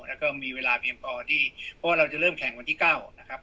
แล้วก็มีเวลาเพียงพอที่เพราะว่าเราจะเริ่มแข่งวันที่๙นะครับ